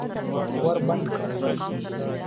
ور بند کړه!